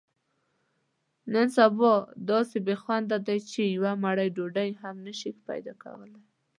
نن سبا داسې بې خوندۍ دي، چې یوه مړۍ ډوډۍ هم نشې پیداکولی.